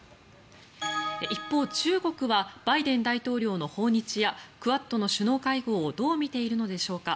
一方、中国はバイデン大統領の訪日やクアッドの首脳会合をどう見ているのでしょうか。